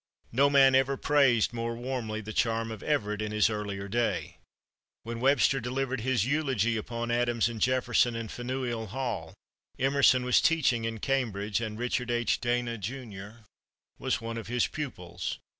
No man ever praised more warmly the charm of Everett in his earlier day. When Webster delivered his eulogy upon Adams and Jefferson in Faneuil Hall, Emerson was teaching in Cambridge, and Richard H. Dana, Jun., was one of his pupils.